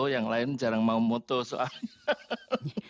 yang lain jarang mau mutu soalnya